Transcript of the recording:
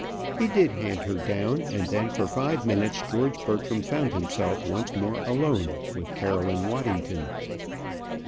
He did hand her down; and then for five minutes George Bertram found himself once more alone with Caroline Waddington.